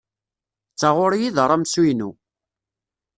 D taɣuri i d aramsu-inu.